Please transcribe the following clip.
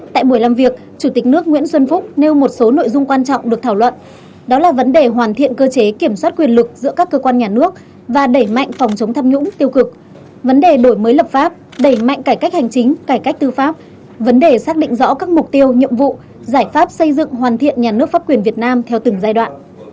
tại buổi làm việc chủ tịch nước nguyễn xuân phúc nêu một số nội dung quan trọng được thảo luận đó là vấn đề hoàn thiện cơ chế kiểm soát quyền lực giữa các cơ quan nhà nước và đẩy mạnh phòng chống tham nhũng tiêu cực vấn đề đổi mới lập pháp đẩy mạnh cải cách hành chính cải cách tư pháp vấn đề xác định rõ các mục tiêu nhiệm vụ giải pháp xây dựng hoàn thiện nhà nước pháp quyền việt nam theo từng giai đoạn